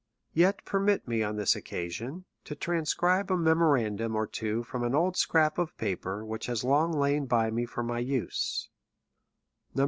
Yet permit me on this occasion, to transcribe a me morandum or t^vo from an old scrap of paper, which has long lain by me for my own use.